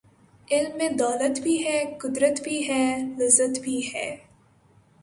علم میں دولت بھی ہے ،قدرت بھی ہے ،لذت بھی ہے